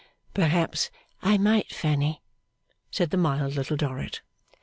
'Perhaps I might, Fanny,' said the mild Little Dorrit.